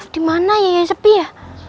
di mana ya yang sepi ya